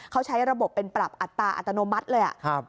เขาใช้ระบบเป็นปรับอัตราอัตโนมัติเลย